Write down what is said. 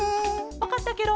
わかったケロ。